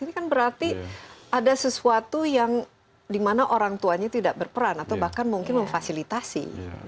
ini kan berarti ada sesuatu yang dimana orang tuanya tidak berperan atau bahkan mungkin memfasilitasi